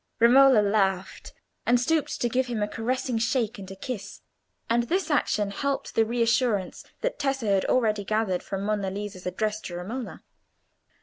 Romola laughed, and stooped to give him a caressing shake and a kiss, and this action helped the reassurance that Tessa had already gathered from Monna Lisa's address to Romola.